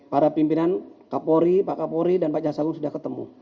para pimpinan kapolri pak kapolri dan pak jaksa agung sudah ketemu